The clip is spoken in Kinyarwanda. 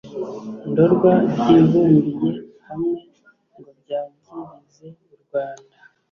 ndorwa byibumbiye hamwe ngo byagirize u rwanda.